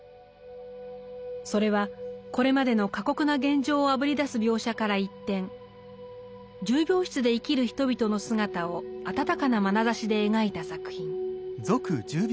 それはこれまでの過酷な現状をあぶり出す描写から一転重病室で生きる人々の姿を温かなまなざしで描いた作品。